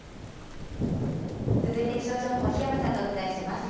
続いて気象情報、檜山さんとお伝えします。